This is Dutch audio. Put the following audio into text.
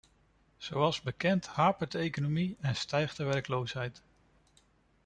Zoals bekend hapert de economie en stijgt de werkloosheid.